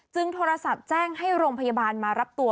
โทรศัพท์แจ้งให้โรงพยาบาลมารับตัว